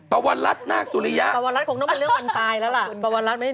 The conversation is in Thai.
ปวัญลัติต้องมาเรื่องวันตายแล้วล่ะปวัญลัตติมันไม่ได้ได้แต่งงานแล้ว